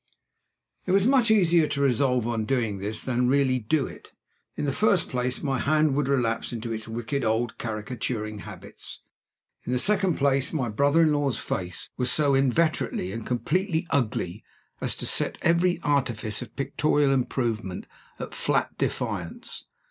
It was much easier to resolve on doing this than really to do it. In the first place, my hand would relapse into its wicked old caricaturing habits. In the second place, my brother in law's face was so inveterately and completely ugly as to set every artifice of pictorial improvement at flat defiance.